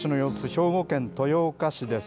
兵庫県豊岡市です。